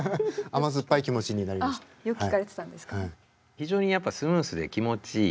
非常にやっぱスムーズで気持ちいい。